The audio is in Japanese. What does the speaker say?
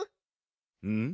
うん？